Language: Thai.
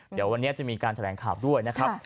เดี๋ยววันนี้จะมีการแถลงข่าวด้วยนะครับ